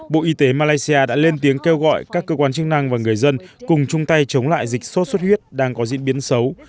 bộ y tế malaysia đã lên tiếng kêu gọi các cơ quan chức năng và người dân cùng chung tay chống lại dịch sốt xuất huyết đang có diễn biến xấu